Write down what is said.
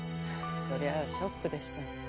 そりゃあショックでした。